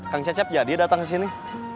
kang cecep jadi datang ke sini